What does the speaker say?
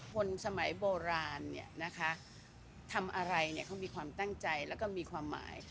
คนสมัยโบราณทำอะไรเขามีความตั้งใจแล้วก็มีความหมาย